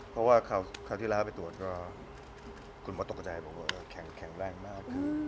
เพราะว่าคราวที่แล้วไปตรวจก็คุณหมอตกกระใจบอกว่าแข็งแรงมากขึ้น